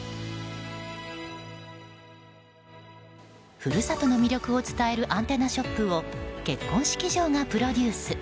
故郷の魅力を伝えるアンテナショップを結婚式場がプロデュース。